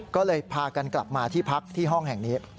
ก็เลยพากันกลับมาที่พักที่ห้องแห่งนี้